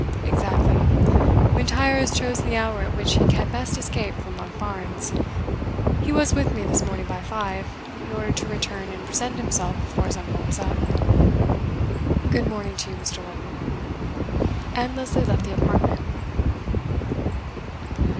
"Exactly. M'Intyre has chosen the hour at which he can best escape from Monkbarns he was with me this morning by five, in order to return and present himself before his uncle was up. Good morning to you, Mr. Lovel." And Lesley left the apartment.